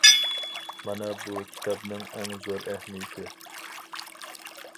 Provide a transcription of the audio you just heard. مانا بۇ كىتابنىڭ ئەڭ زور ئەھمىيىتى.